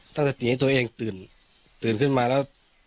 ตั้งสตีให้ตัวเองตื่นตื่นขึ้นมาแล้ว